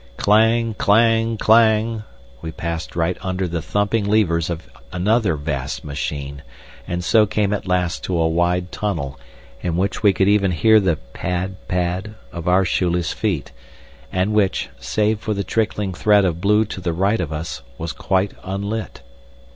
Clang, clang, clang, we passed right under the thumping levers of another vast machine, and so came at last to a wide tunnel, in which we could even hear the pad, pad, of our shoeless feet, and which, save for the trickling thread of blue to the right of us, was quite unlit.